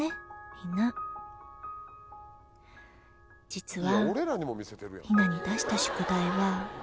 実はひなに出した宿題は」。